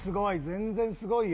全然すごいよ。